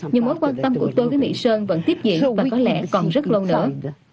nhưng mối quan tâm của tôi với mỹ sơn vẫn tiếp diễn và có lẽ còn rất lâu nữa